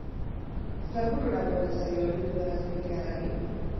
Zer bururatu ote zaio youtuber azkoitiarrari?